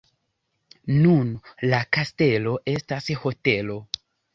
Nun la kastelo estas hotelo.